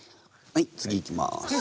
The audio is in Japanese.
はい次いきます。